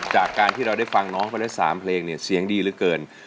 จากการที่เราได้ฟังน้องไปแล้ว๓เพลงเนี่ยเสียงดีเหลือเกิน